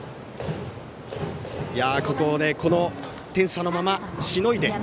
この点差のまま、しのいで。